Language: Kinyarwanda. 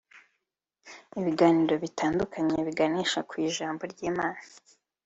Ibiganiro bitandukanye biganisha ku ijambo ry’Imana